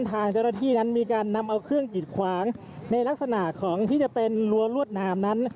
ทางเจ้าหน้าที่นั้นมีการนำเอาเครื่องกิดขวางในลักษณะของที่จะเป็นรั้วรวดหนามนั้น